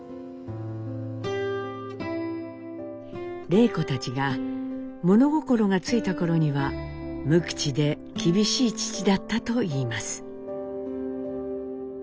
礼子たちが物心がついた頃には無口で厳しい父だったといいます。